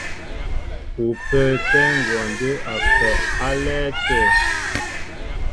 Ú pə́ə́tɛ́ ngwɔndə́ a kɔ álɛ́ɛ́ tə̂.